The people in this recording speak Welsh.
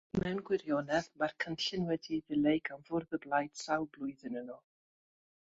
Mewn gwirionedd, mae'r cynllun wedi'i ddileu gan fwrdd y blaid sawl blwyddyn yn ôl.